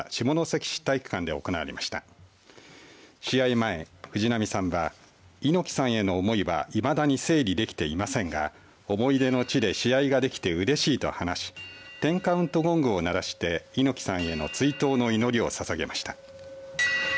前、藤波さんが猪木さんへの思いはいまだに整理できていませんが思い出の地で試合ができてうれしいと話し１０カウントゴングを鳴らして猪木さんへの追悼の祈りをささげました。